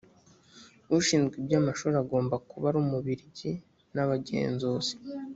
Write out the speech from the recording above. ushinzwe iby amashuri ugomba kuba ari umubirigi n abagenzuzi